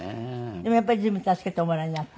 でもやっぱり随分助けておもらいになった？